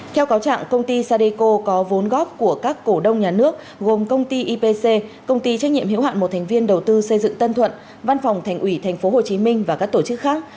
theo cáo trạng công ty sadeco có vốn góp của các cổ đông nhà nước gồm công ty ipc công ty trách nhiệm hiếu hạn một thành viên đầu tư xây dựng tân thuận văn phòng thành ủy tp hcm và các tổ chức khác